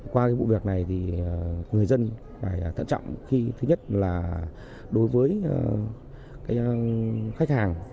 qua vụ việc này thì người dân phải tận trọng khi thứ nhất là đối với khách hàng